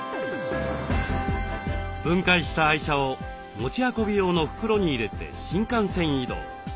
分解した愛車を持ち運び用の袋に入れて新幹線移動。